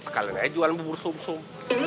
kalian aja jualan bubur somsom